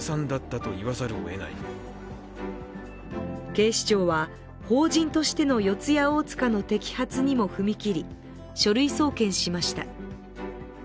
警視庁は法人としての四谷大塚の摘発にも踏み切り、書類送検しました。